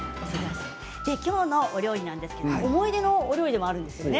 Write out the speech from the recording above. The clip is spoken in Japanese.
きょうのお料理ですが思い出のお料理でもあるんですよね。